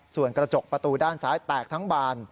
ส่วนกระจกประตูด้านซ้ายแตกทั้งบาน